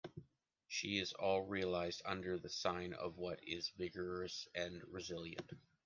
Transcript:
She is all realized under the sign of what is vigorous and resilient.